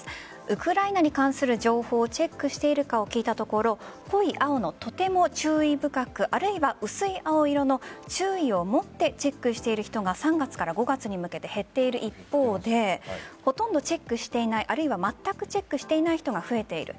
ウクライナに関する情報をチェックしているかを聞いたところ濃い青の、とても注意深くあるいは薄い青色の注意をもってチェックしている人が３月から５月に向けて減っている一方でほとんどチェックしていないあるいはまったくチェックしていない人が増えている。